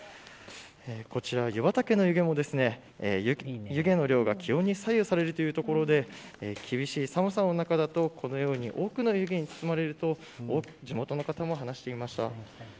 こちら湯畑の雪も湯気の量が気温に左右されるというところで厳しい寒さの中だとこのように多くの湯気に包まれると地元の方も話していました。